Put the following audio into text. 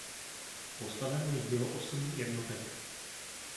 Postaveno jich bylo osm jednotek.